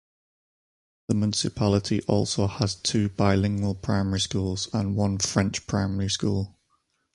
The municipality also has two bilingual primary schools and one French primary school.